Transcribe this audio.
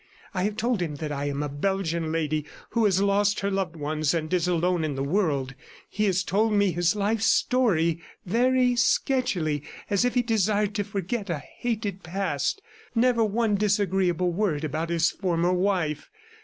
I have told him that I am a Beigian lady who has lost her loved ones and is alone in the world. He has told me his life story very sketchily, as if he desired to forget a hated past. ... Never one disagreeable word about his former wife.